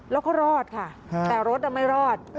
แล้วก็รอดค่ะแต่รถไม่รอด